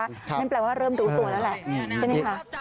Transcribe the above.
นั่นแปลว่าเริ่มรู้ตัวแล้วแหละใช่ไหมคะ